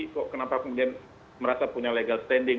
kok kenapa kemudian merasa punya legal standing